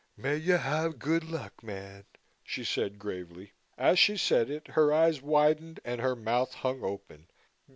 "May you have good luck, man," she said gravely. As she said it, her eyes widened and her mouth hung open.